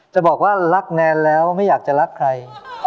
จะบอกว่ารักแนนแล้วไม่อยากจะรักใคร